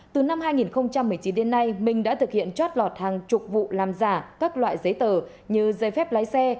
từ năm hai nghìn một mươi chín đến nay minh đã thực hiện chót lọt hàng chục vụ làm giả các loại giấy tờ như giấy phép lái xe